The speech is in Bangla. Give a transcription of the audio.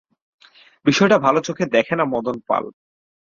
বিষয়টা ভালো চোখে দেখে না মদন পাল।